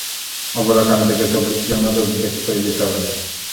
অবলাকান্তকে তো ব্যূহের মতো ভেদ করে যেতে হবে না।